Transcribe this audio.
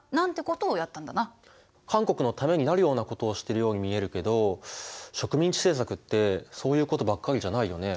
韓国のためになるようなことをしてるように見えるけど植民地政策ってそういうことばっかりじゃないよね。